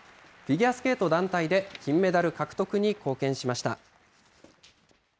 フィギュアスケート団体で、金メダル獲得に貢献しました。